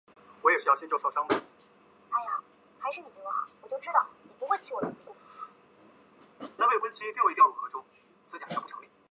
基节粉苞菊为菊科粉苞苣属的植物。